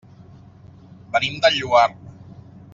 Venim del Lloar.